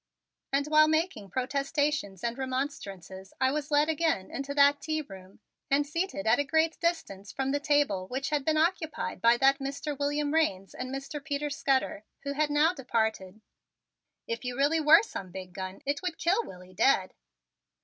And while making protestations and remonstrances I was led again into that tea room and seated at a great distance from the table which had been occupied by that Mr. William Raines and Mr. Peter Scudder, who had now departed. "If you really were some big gun it would kill Willie dead."